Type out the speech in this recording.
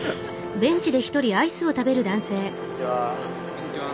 こんにちは。